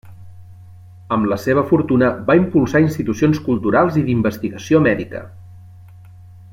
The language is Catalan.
Amb la seva fortuna va impulsar institucions culturals i d'investigació mèdica.